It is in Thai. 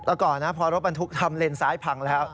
แต่ก่อนนะพอรถบรรทุกทำเลนซ้ายพังแล้ว